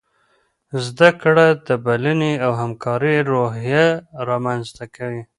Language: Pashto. زده کړه د بلنې او همکارۍ روحیه رامنځته کوي.